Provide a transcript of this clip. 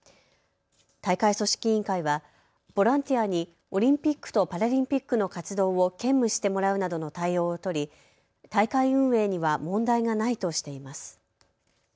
大会組織委員会はボランティアにオリンピックとパラリンピックの活動を兼務してもらうなどの対応を取り大会運営には問題がないとしています。